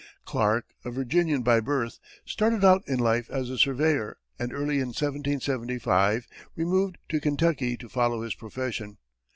Clark, a Virginian by birth, started out in life as a surveyor, and early in 1775, removed to Kentucky to follow his profession.